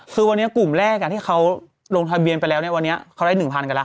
คือวันนี้กลุ่มแรกที่เขาลงทะเบียนไปแล้วเนี่ยวันนี้เขาได้๑๐๐กันแล้ว